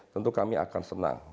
tentu kami akan senang